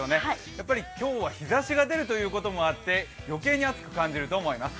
やっぱり今日は日ざしが出るということもあって余計に暑くなると思います。